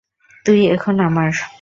তুই এখন আমার!